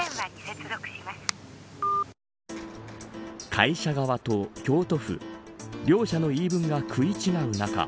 会社側と京都府両者の言い分が食い違う中